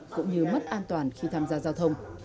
cũng như mất an toàn khi tham gia giao thông